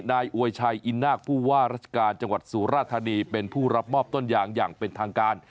อวยชัยอินนาคผู้ว่าราชการจังหวัดสุราธานีเป็นผู้รับมอบต้นยางอย่างเป็นทางการ